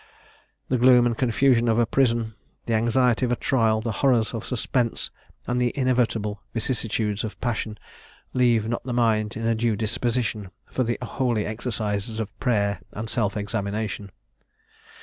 The gloom and confusion of a prison, the anxiety of a trial, the horrors of suspense, and the inevitable vicissitudes of passion, leave not the mind in a due disposition for the holy exercises of prayer and self examination.